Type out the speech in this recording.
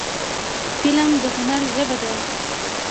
فلم د هنر ژبه ده